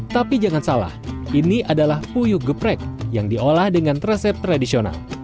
tapi jangan salah ini adalah puyuh geprek yang diolah dengan resep tradisional